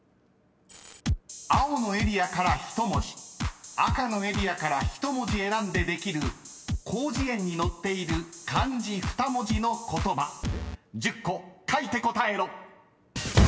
［青のエリアから１文字赤のエリアから１文字選んでできる広辞苑に載っている漢字２文字の言葉１０個書いて答えろ］